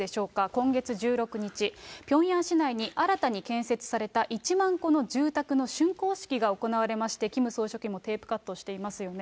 今月１６日、ピョンヤン市内に新たに建設された１万戸の住宅のしゅんこう式が行われまして、キム総書記もテープカットしていますよね。